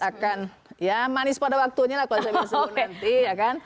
akan ya manis pada waktunya lah kalau saya bisa sembuh nanti ya kan